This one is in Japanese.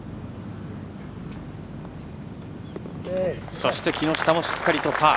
そして木下もしっかりとパー。